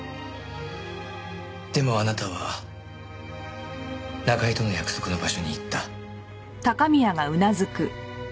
でもあなたは中居との約束の場所に行った。